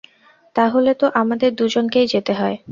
তা হলে তো আমাদের দুজনকেই যেতে হয়।